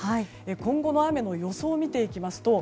今後の雨の予想を見ていきますと